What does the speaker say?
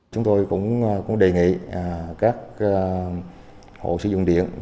chúng tôi cũng đề nghị các hộ sử dụng điện